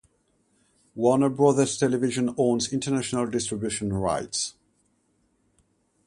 Warner Brothers Television owns international distribution rights.